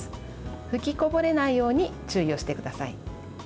吹きこぼれないように注意をしてください。